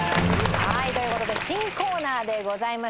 はいという事で新コーナーでございます。